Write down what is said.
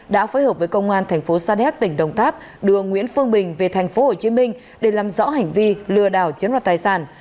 đã phối hợp với công an tp sadec tỉnh đồng tháp đưa nguyễn phương bình về tp hcm để làm rõ hành vi lừa đảo chiếm loạt tài sản